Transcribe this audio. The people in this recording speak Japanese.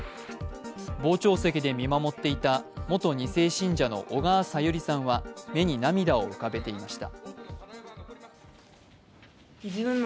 傍聴席で見守っていた元２世信者の小川さゆりさんは目に涙を浮かべていました。